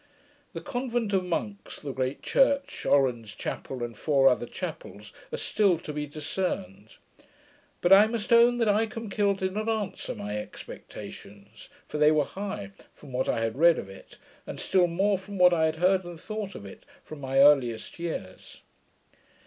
The convent of monks, the great church, Oran's chapel, and four other chapels, are still to be discerned. But I must own that Icolmkill did not answer my expectations; for they were high, from what I had read of it, and still more from what I had heard and thought of it, from my earliest years.